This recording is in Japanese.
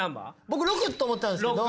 僕６と思ったんですけど５